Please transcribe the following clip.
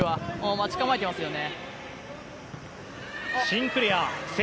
待ち構えていますよね。